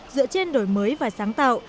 dựa trên đổi mới và sáng tạo